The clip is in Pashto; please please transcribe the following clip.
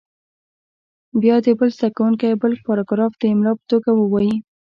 بیا دې بل زده کوونکی بل پاراګراف د املا په توګه ووایي.